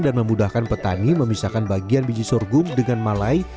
dan memudahkan petani memisahkan bagian biji sorghum dengan malai